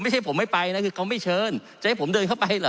ไม่ใช่ผมไม่ไปนะคือเขาไม่เชิญจะให้ผมเดินเข้าไปเหรอ